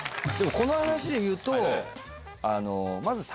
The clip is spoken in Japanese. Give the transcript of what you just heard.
でもこの話でいうと。